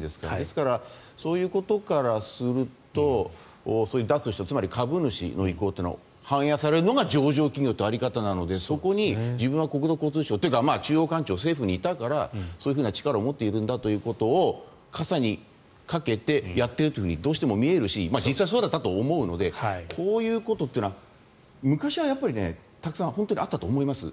ですからそういうことからするとそういう、出す人つまり株主の意向は反映されるのが上場企業っていう在り方なのでそこに自分は国土交通省というか中央官庁、政府にいたからそういう力を持っているんだということを笠に着てやっているとどうしても見えるし実際、そうだったと思うのでこういうことというのは昔はたくさんあったと思います。